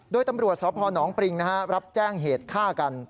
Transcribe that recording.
โดยตำรวจสพนปริงรับแจ้งเหตุฆ่ากัน